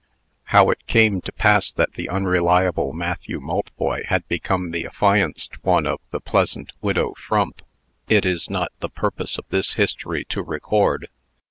How it came to pass that the unreliable Matthew Maltboy had become the affianced one of the pleasant widow Frump, it is not the purpose of this history to record.